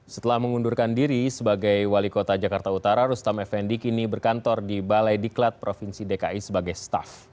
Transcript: setelah mengundurkan diri sebagai wali kota jakarta utara rustam effendi kini berkantor di balai diklat provinsi dki sebagai staff